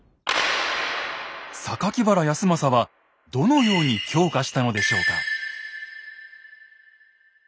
原康政はどのように強化したのでしょうか？